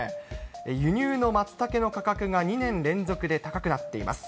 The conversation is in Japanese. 輸入のマツタケの価格が２年連続で高くなっています。